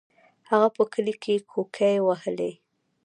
هغه په کلي کې کوکې وهلې.